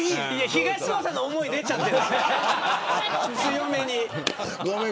東野さんの思いが出ちゃってる、強めに。